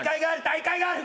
大会がある！